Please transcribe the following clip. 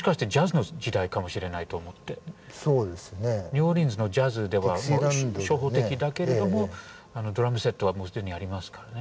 ニューオーリンズのジャズでは初歩的だけれどもドラムセットはもう既にありますからね。